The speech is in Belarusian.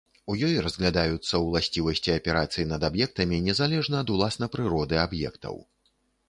У ёй разглядаюцца ўласцівасці аперацый над аб'ектамі незалежна ад уласна прыроды аб'ектаў.